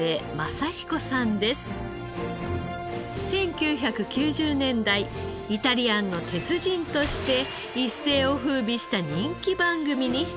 １９９０年代「イタリアンの鉄人」として一世を風靡した人気番組に出演。